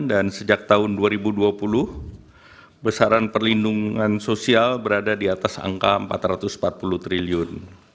dan sejak tahun dua ribu dua puluh besaran perlindungan sosial berada di atas angka empat ratus empat puluh triliun